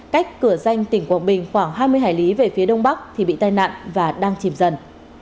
cách cửa danh tỉnh quảng bình khoảng hai mươi hải lý về phía đông bắc thì bị tai nạn và đang chìm dần